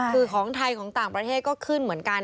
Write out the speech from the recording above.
คือของไทยของต่างประเทศก็ขึ้นเหมือนกัน